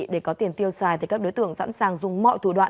để có tiền tiêu xài thì các đối tượng sẵn sàng dùng mọi thủ đoạn